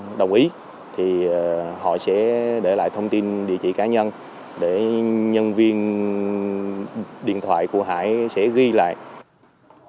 nếu đồng ý nhận giải thưởng thì để lại thông tin địa chỉ cá nhân và đóng thuê một mươi giá trị của máy tùy theo máy tùy theo máy tùy theo máy tùy theo máy tùy theo máy tùy theo máy tùy